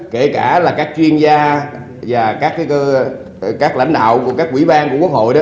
kể cả là các chuyên gia và các lãnh đạo của các quỹ ban của quốc hội đó